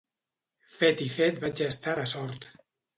Fet i fet vaig estar de sort.